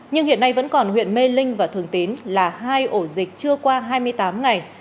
nhưng hiện nay vẫn còn huyện mê linh và thường tín là hai ổ dịch chưa qua hai mươi tám ngày